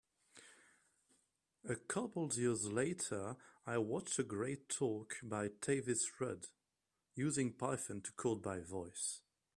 A couple years later I watched a great talk by Tavis Rudd, Using Python to Code by Voice.